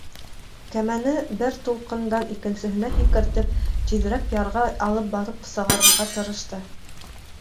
Кәмәне, бер тулҡындан икенсеһенә һикертеп, тиҙерәк ярға алып барып сығарырға тырышты.